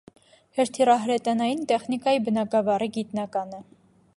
Հրթիռահրետանային տեխնիկայի բնագավառի գիտնական է։